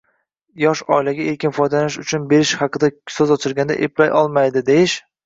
yosh oilaga erkin foydalanish uchun berish haqida so‘z ochilganda «eplay olmaydi», deyish